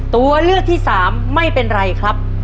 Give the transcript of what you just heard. ตัวเลือกที่สามไม่เป็นไรครับ